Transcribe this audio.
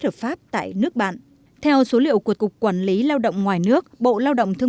hợp pháp tại nước bạn theo số liệu của cục quản lý lao động ngoài nước bộ lao động thương